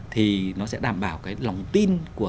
thì nó sẽ đảm bảo cái lòng tin của